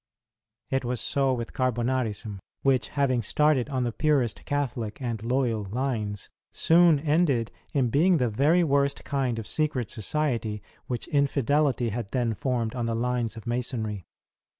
It was so with Carbonarism, wliich, having started on the purest Catholic and loyal lines, soon ended in being the very worst kind of secret society which Infidelity had then formed on the lines of Masonry.